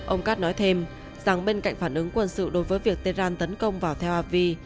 ông card nói thêm rằng bên cạnh phản ứng quân sự đối với việc tehran tấn công vào tel avi